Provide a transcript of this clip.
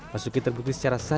basuki terkutis secara sasaran